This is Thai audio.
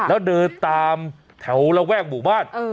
แล้วเดินตามแถวระแวกหมู่บ้าน